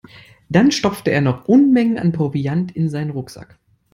Dann stopfte er noch Unmengen an Proviant in seinen Rucksack.